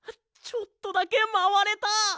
ちょっとだけまわれた！